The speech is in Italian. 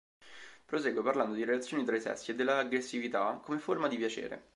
Prosegue parlando di relazioni tra i sessi, e della aggressività come forma di piacere.